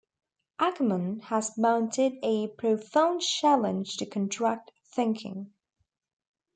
Ackerman has mounted a profound challenge to contract thinking.